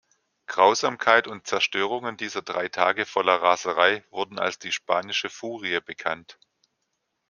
Grausamkeit und Zerstörungen dieser drei Tage voller Raserei wurden als die „Spanische Furie“ bekannt.